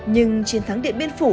nhưng chiến thắng điện biên phủ